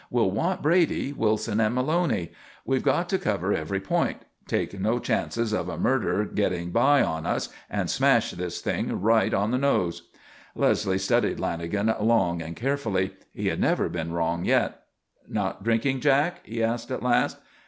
We'll want Brady, Wilson and Maloney. We've got to cover every point, take no chances of a murder getting by on us, and smash this thing right on the nose." Leslie studied Lanagan long and carefully. He had never been wrong yet. "Not drinking, Jack?" he asked at last.